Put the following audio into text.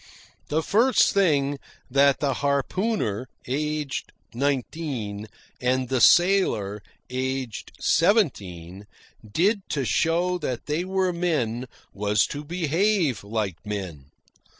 The first thing that the harpooner, aged nineteen, and the sailor, aged seventeen, did to show that they were men was to behave like men.